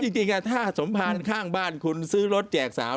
จริงถ้าสมภารข้างบ้านคุณซื้อรถแจกสาว